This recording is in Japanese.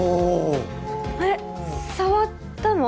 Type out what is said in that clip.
あれ触ったの？